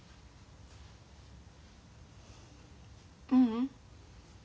ううん。